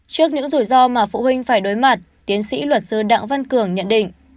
trước những rủi ro mà phụ huynh phải đối mặt tiến sĩ luật sư đặng văn cường nhận định